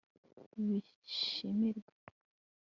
bishimirwe